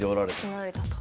おられたと。